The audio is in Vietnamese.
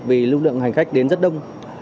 vì lưu lượng hành khách đến rất đông